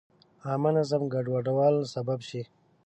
عامه نظم ګډوډولو سبب شي.